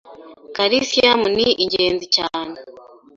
Calcium ni ingenzi cyane